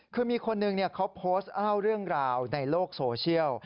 คือมีคนหนึ่งเขาโพสต์เล่าเรื่องราวในโลกโซเชียล